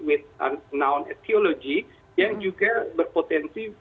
dengan etiologi yang juga berpotensi